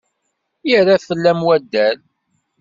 Yerra fell-am wadal.